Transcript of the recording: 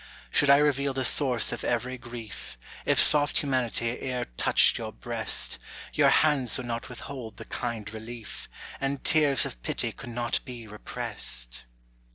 Should I reveal the source of every grief, If soft humanity e'er touched your breast, Your hands would not withhold the kind relief, And tears of pity could not be repressed.